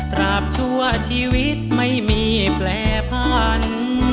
ตราบชัวร์ชีวิตไม่มีแปลภัณฑ์